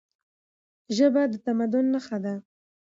ژبه د تمدن نښه ده.